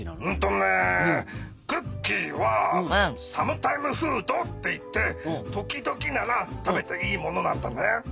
うんとねクッキーはサムタイムフードっていって時々なら食べていいものなんだね。